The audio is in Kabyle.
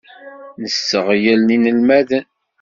Nesseɣyel inelmaden.